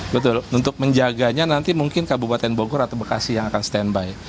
betul untuk menjaganya nanti mungkin kabupaten bogor atau bekasi yang akan standby